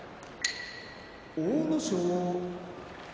阿武咲